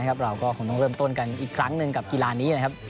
อะไรอย่างนั้น